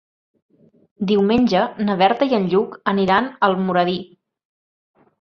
Diumenge na Berta i en Lluc aniran a Almoradí.